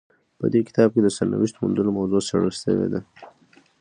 په دې کتاب کې د سرنوشت موندلو موضوع څیړل شوې ده.